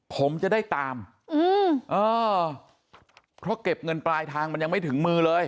ผมจะได้ตามอืมเออเพราะเก็บเงินปลายทางมันยังไม่ถึงมือเลย